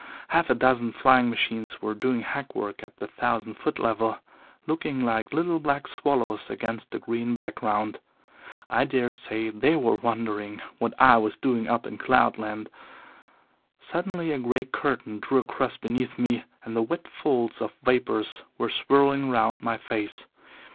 Half a dozen flying machines were doing hackwork at the thousand foot level, looking like little black swallows against the green background. I dare say they were wondering what I was doing up in cloud land. Suddenly a grey curtain drew across beneath me and the wet folds of vapours were swirling round my face.